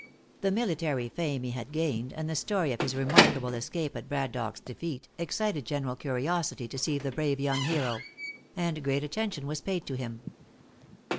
The military fame he had gained, and the story of his remarkable escape at Brad dock's defeat, excited general curiosity to see the brave young hero; and great attention was paid to him.